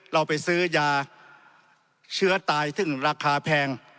เราไปซื้อยาเชื้อตายซึ่งราคาแพง